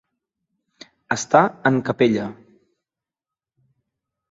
Estar en capella.